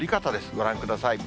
ご覧ください。